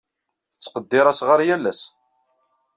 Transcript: Tettqeddir asɣar yal ass.